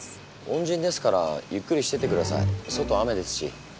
恩人ですからゆっくりしてってください。外雨ですし。